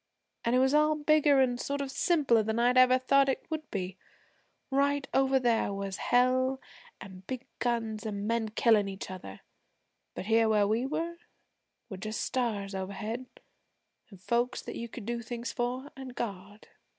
'An' it was all bigger an' sort of simpler than I'd ever thought it would be. Right over there was Hell an' big guns, an' men killin' each other, but here where we were, were just stars overhead, an' folks that you could do things for, an' God.